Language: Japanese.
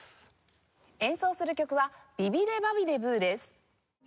演奏する曲は『ビビディ・バビディ・ブー』です。